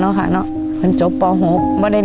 ลองกันถามอีกหลายเด้อ